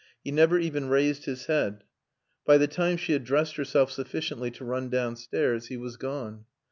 He never even raised his head. By the time she had dressed herself sufficiently to run downstairs he was gone.